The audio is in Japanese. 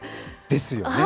ですよね。